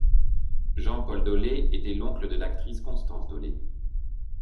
Jean-Paul Dollé était l'oncle de l'actrice Constance Dollé.